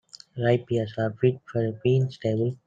Ripe pears are fit for a queen's table.